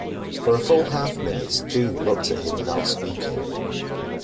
For a full half minute Jeanne looked at him without speaking.